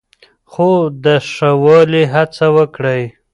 خو د ښه والي هڅه وکړئ.